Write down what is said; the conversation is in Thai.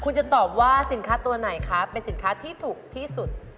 คุณจะตอบว่าสินค้าตัวไหนคะเป็นสินค้าที่ถูกที่สุด